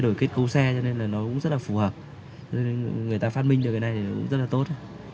đổi kết cấu xe cho nên là nó cũng rất là phù hợp người ta phát minh được cái này cũng rất là tốt